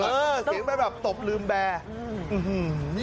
เสียงไปแบบตบลืมแบร์